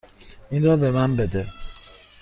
این را به من بده.